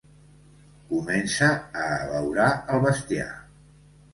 Comença a abeurar el bestiar.